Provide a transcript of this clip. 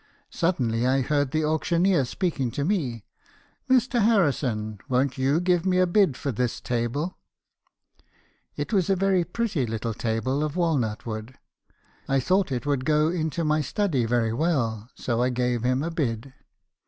Suddenly I heard the auctioneer speaking to me, 'Mr. Harrison, won't you give me a bid for this table ?'" It was a very pretty little table of walnut wood. I thought it would go into my study very well , so I gave him a bid.